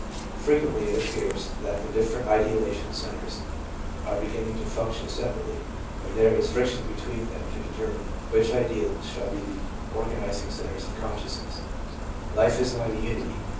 Frequently it appears that the different ideational centres are beginning to function separately, and there is friction between them to determine which ideals shall be the organising centres ADOLESCENCE— BIRTH OF A LARGER SELF 261 of consciousness. Life is not a unity.